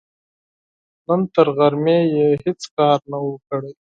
نن تر غرمې يې هيڅ کار نه و، کړی.